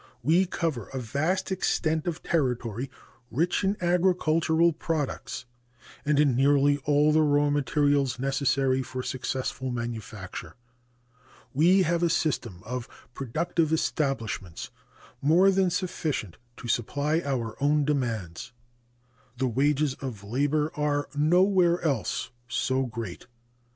We cover a vast extent of territory rich in agricultural products and in nearly all the raw materials necessary for successful manufacture. We have a system of productive establishments more than sufficient to supply our own demands. The wages of labor are nowhere else so great.